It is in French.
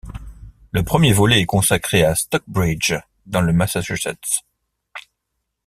Le premier volet est consacré à Stockbridge dans le Massachusetts.